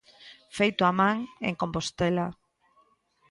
Feito a man, en Compostela.